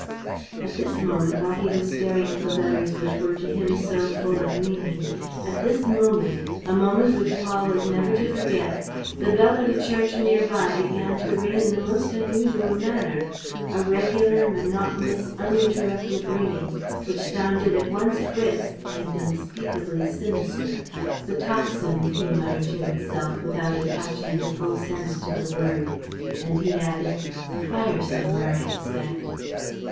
... At this moment, while he was staring at the letters which were to him so full of meaning, at this moment, a moment which Paul was never to forget, the bell of a church nearby began to ring in the most unusual manner: a regular, monotonous, uninterrupted ringing, which sounded at once brisk and unspeakably sinister. "The tocsin," he muttered to himself, without attaching the full sense to the word. And he added: "A fire somewhere, I expect."